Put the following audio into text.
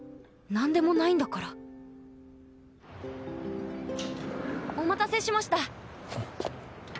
なんでもないんだからお待たせしました。